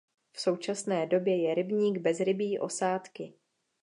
V současné době je rybník bez rybí osádky.